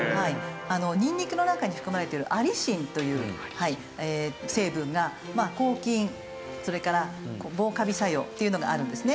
にんにくの中に含まれているアリシンという成分が抗菌それから防カビ作用っていうのがあるんですね。